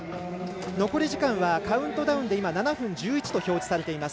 残り時間はカウントダウンで７分１１と表示されています。